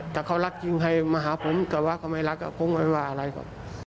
ถ้าเขารักจริงใครมาหาผมแต่ว่าเขาไม่รักก็คงไม่ว่าอะไรครับ